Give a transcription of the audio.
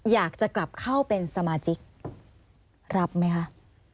อยากจะกลับเข้าเป็นสมาชิกรับไหมคะ